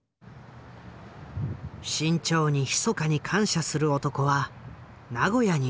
志ん朝にひそかに感謝する男は名古屋にもいる。